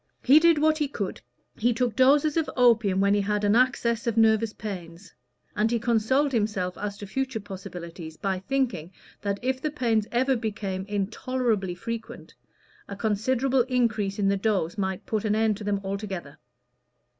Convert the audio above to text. He did what he could: he took doses of opium when he had an access of nervous pains, and he consoled himself as to future possibilities by thinking that if the pains ever became intolerably frequent, a considerable increase in the dose might put an end to them altogether.